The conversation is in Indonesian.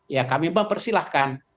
ya kami mempersilahkan